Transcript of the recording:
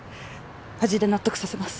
味で納得させます。